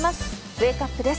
ウェークアップです。